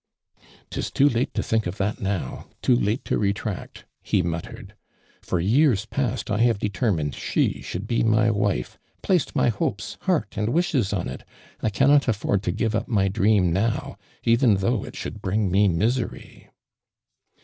'•"Tis too late to think of that now — too late to retract!"" he muttered. "For years past I have determ'ned she should be my wife — placed my hopes, heart and wishes on it : I cannotatfortl to give ui) my dream, now, even tliougli it should bring nje ini>ery